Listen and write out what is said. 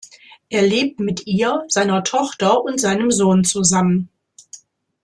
Er lebt mit ihr, seiner Tochter und seinem Sohn zusammen.